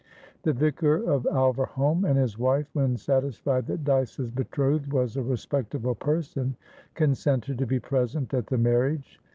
The vicar of Alverholme and his wife, when satisfied that Dyce's betrothed was a respectable person, consented to be present at the marriage.